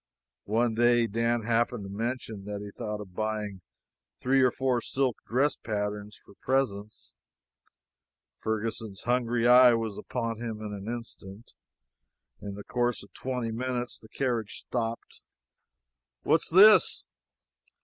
One day Dan happened to mention that he thought of buying three or four silk dress patterns for presents. Ferguson's hungry eye was upon him in an instant. In the course of twenty minutes the carriage stopped. "What's this?"